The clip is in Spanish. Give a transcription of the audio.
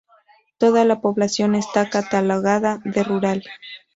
Toda la población está catalogada de rural.